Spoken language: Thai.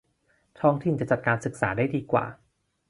ท้องถิ่นจะจัดการศึกษาได้ดีกว่า